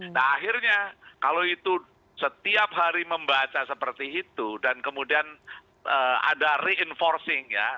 nah akhirnya kalau itu setiap hari membaca seperti itu dan kemudian ada reinforcing ya